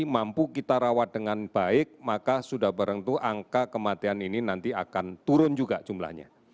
mampu kita rawat dengan baik maka sudah berentuh angka kematian ini nanti akan turun juga jumlahnya